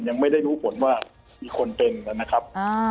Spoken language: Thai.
ยังไม่ได้รู้ผลว่ามีคนเป็นนะครับ